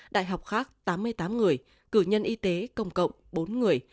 đại học khác tám mươi tám người cử nhân y tế công cộng bốn người